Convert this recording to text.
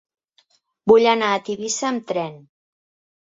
Vull anar a Tivissa amb tren.